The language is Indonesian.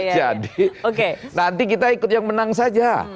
jadi nanti kita ikut yang menang saja